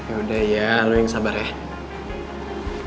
yaudah ya halo yang sabar ya